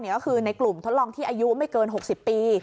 ก็คือในกลุ่มทดลองที่อายุไม่เกิน๖๐ปี